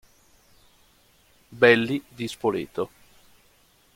Belli di Spoleto.